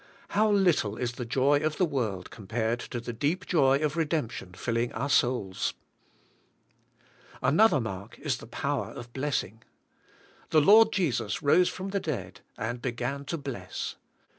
How little is the joy of the world compared to the deep joy of redemption filling our souls. Another mark is the power of blessing . The Lord Jesus rose from the dead and beg an to bless.